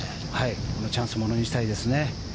このチャンスをものにしたいですね。